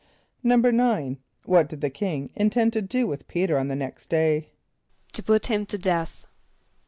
= =9.= What did the king intend to do with P[=e]´t[~e]r on the next day? =To put him to death.